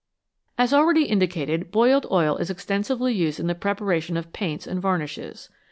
As already indicated, boiled oil is extensively used in the preparation of paints and varnishes.